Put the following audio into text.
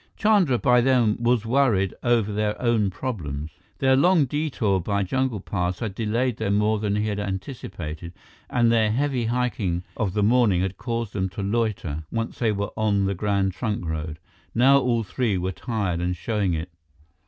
Chandra, by then, was worried over their own problems. Their long detour by jungle paths had delayed them more than he had anticipated, and their heavy hiking of the morning had caused them to loiter, once they were on the Grand Trunk Road. Now, all three were tired and showing it.